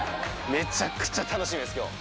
めちゃくちゃ楽しみです今日